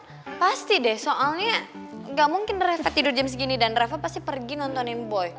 mas ya kan pasti deh soalnya gak mungkin reva tidur jam segini dan reva pasti pergi nontonin boy